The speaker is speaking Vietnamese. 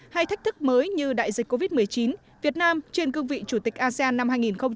hay thách thức mới như đại dịch covid một mươi chín việt nam trên cương vị chủ tịch asean năm hai nghìn hai mươi